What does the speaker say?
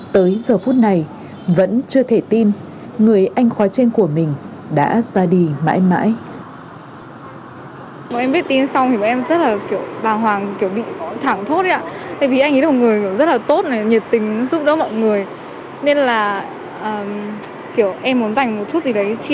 tới giờ phút này vẫn chưa thể tin người anh khoai trên của mình đã ra đi mãi mãi